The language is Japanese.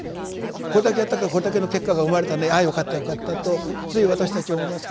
「これだけやったからこれだけの結果が生まれたねああよかったよかった」とつい私たち思いますけど。